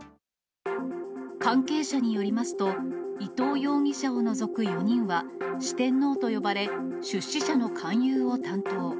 関係者によりますと、伊藤容疑者を除く４人は四天王と呼ばれ、出資者の勧誘を担当。